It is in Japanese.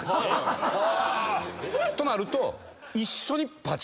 となると。